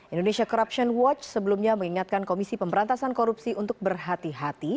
indonesia corruption watch sebelumnya mengingatkan komisi pemberantasan korupsi untuk berhati hati